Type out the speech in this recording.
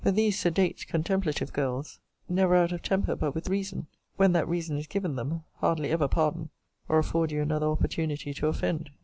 But these sedate, contemplative girls, never out of temper but with reason; when that reason is given them, hardly ever pardon, or afford you another opportunity to offend.